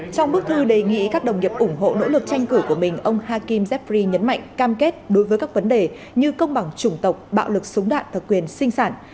trong bức thư đề nghị các đồng nghiệp ủng hộ nỗ lực tranh cử của mình ông hakim zebri nhấn mạnh cam kết đối với các vấn đề như công bằng chủng tộc bạo lực súng đạn thực quyền sinh sản